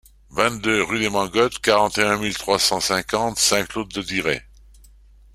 vingt-deux rue des Mangottes, quarante et un mille trois cent cinquante Saint-Claude-de-Diray